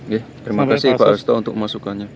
terima kasih pak austo untuk masukannya